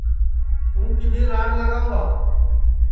توں کِدھی راڑ لاواںٚؤ گا